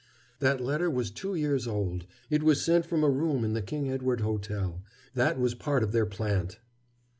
"That letter was two years old. It was sent from a room in the King Edward Hotel. That was part of their plant."